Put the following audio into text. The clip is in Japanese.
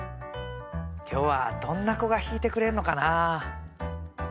今日はどんな子が弾いてくれるのかな？